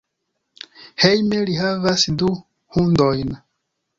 Hejme li havas du hundojn.